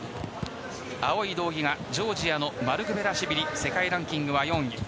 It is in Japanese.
青い道着がジョージアのマルクベラシュビリ世界ランキングは４位。